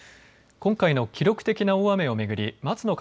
今回の記録的な大雨を巡り松野